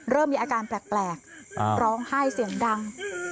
เริ่มมีอาการแปลกร้องไห้เสียงดัง